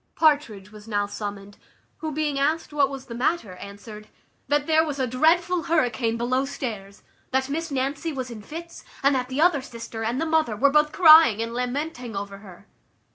Partridge was now summoned, who, being asked what was the matter, answered, "That there was a dreadful hurricane below stairs; that Miss Nancy was in fits; and that the other sister, and the mother, were both crying and lamenting over her."